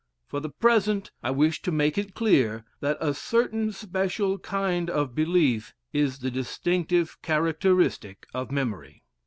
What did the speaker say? For the present, I wish to make it clear that a certain special kind of belief is the distinctive characteristic of memory.